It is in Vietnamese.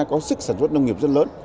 có sức sản xuất nông nghiệp rất lớn